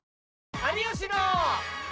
有吉の。